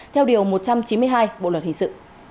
theo điều một trăm chín mươi hai bộ luật hình sự